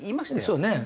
そうね。